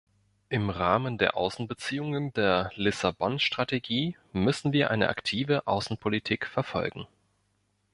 Im Rahmen der Außenbeziehungen der Lissabon-Strategie müssen wir eine aktive Außenpolitik verfolgen.